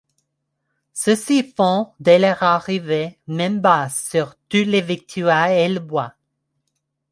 Ceux-ci font dès leur arrivée main-basse sur toutes les victuailles et le bois.